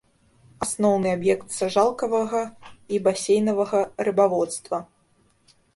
Асноўны аб'ект сажалкавага і басейнавага рыбаводства.